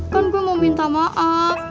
kan gue mau minta maaf